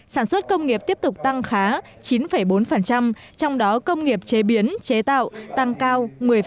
sản xuất công nghiệp tiếp tục tăng khá chín bốn trong đó công nghiệp chế biến chế tạo tăng cao một mươi ba